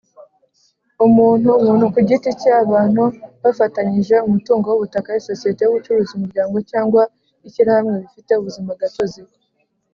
Umuntu: umuntu ku giti cye, abantu bafatanyije umutungo w’ubutaka, isosiyete y’ubucuruzi, umuryango cyangwa ishyirahamwe bifite ubuzima gatozi;